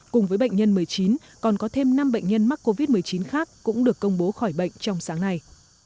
cùng với bệnh nhân một mươi chín còn có thêm năm bệnh nhân mắc covid một mươi chín khác cũng được công bố khỏi bệnh trong sáng nay